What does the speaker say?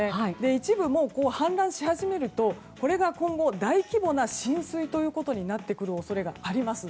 一部、氾濫し始めるとこれが今後、大規模な浸水ということになってくる恐れがあります。